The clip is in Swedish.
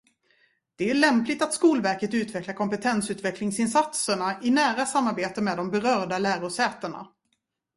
Det är lämpligt att Skolverket utvecklar kompetensutvecklingsinsatserna i nära samarbete med de berörda lärosätena.